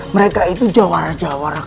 mereka itu jawara jawara kelas satu